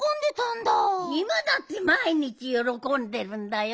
いまだってまいにちよろこんでるんだよ。